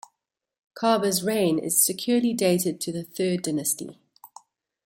Khaba's reign is securely dated to the Third Dynasty.